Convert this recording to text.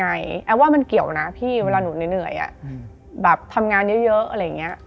แอฟว่ามันเกี่ยวนะพี่เวลาหนูเหนื่อยแบบทำงานเยอะอะไรอย่างนี้